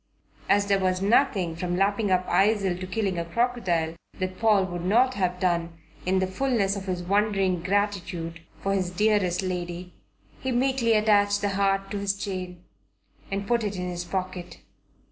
As there was nothing, from lapping up Eisel to killing a crocodile, that Paul would not have done, in the fulness of his wondering gratitude, for his dearest lady, he meekly attached the heart to his chain and put it in his pocket.